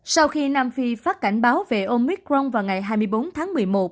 sau khi nam phi phát cảnh báo về omicron vào ngày hai mươi bốn tháng một mươi một